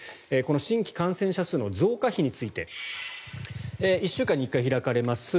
新規感染者数の増加比について１週間に１回開かれます